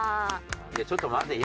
いやちょっと待って。